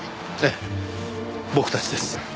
ええ僕たちです。